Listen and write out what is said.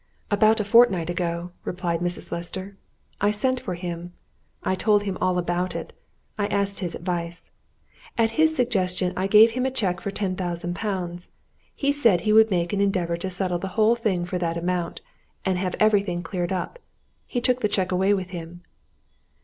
"About a fortnight ago," replied Mrs. Lester "I sent for him I told him all about it I asked his advice. At his suggestion I gave him a cheque for ten thousand pounds. He said he would make an endeavour to settle the whole thing for that amount, and have everything cleared up. He took the cheque away with him."